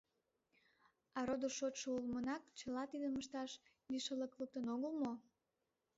А родо-шочшо улмынак чыла тидым ышташ лишыллыкым луктын огыл мо?..